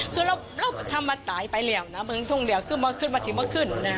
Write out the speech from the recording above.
เพราะยังซ่งเหลวขึ้นมาขึ้นมาสิ้นมาขึ้น